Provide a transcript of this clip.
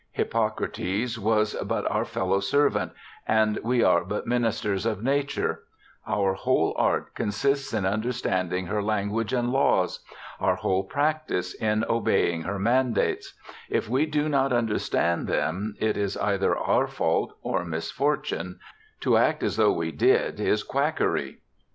Hippocrates was but our fellow servant, and we are but ministers of Nature; our whole art consists in understanding her language and laws ; our whole practice, in obeying her mandates : if we do not understand them, it is either our fault or misfortune; to act as though we did is quackery.